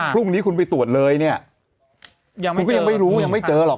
พรุ่งนี้คุณไปตรวจเลยเนี่ยคุณก็ยังไม่รู้ยังไม่เจอหรอก